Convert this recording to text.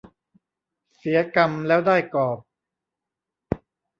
เสียกำแล้วได้กอบ